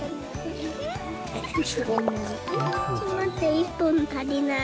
１本足りない。